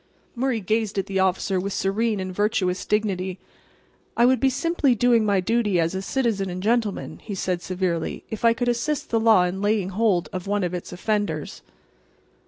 Murray gazed at the officer with serene and virtuous dignity. "I would be simply doing my duty as a citizen and gentleman," he said, severely, "if I could assist the law in laying hold of one of its offenders."